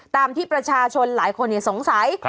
ตามที่ประชาชนหลายคนสงสัย